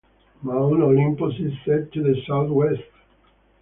Mount Olympus is set to the southwest.